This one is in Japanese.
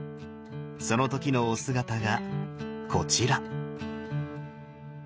その時のお姿がこちら。